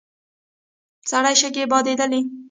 سرې شګې بادېدلې.